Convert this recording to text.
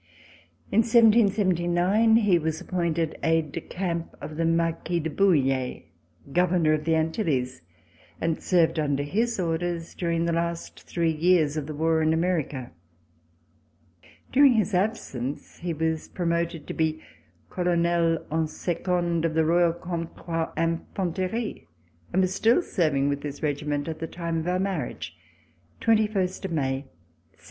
In 1779 he was appointed aide de camp of the Marquis de Bouille, Governor of the Antilles, and served under his orders during the last three years of the war in America. During his absence he was promoted to be Colonel en Second of the Royal Comtois Infanterie, and was still serving with this regiment at the time of our marriage, 21 May 1787.